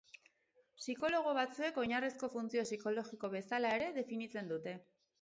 Psikologo batzuek oinarrizko funtzio psikologiko bezala ere definitzen dute.